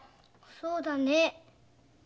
そうだね。